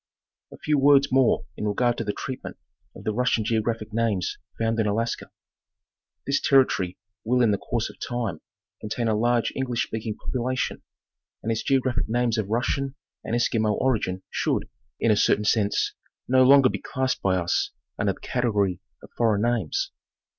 Lu A few words more in regard to the treatment of the Russian 'geographic names found in Alaska. This territory will in the course of time contain a large English speaking population, and its geographic names of Russian and Eskimo origin should, in a certain sense, no longer be classed by us under the category of foreign names.